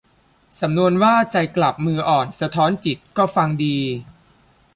สำนวนว่าใจกลับมืออ่อนสะท้อนจิต ก็ฟังดี